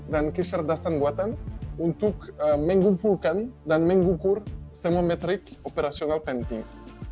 dan keserdasan buatan untuk mengumpulkan dan mengukur semua metrik operasional penting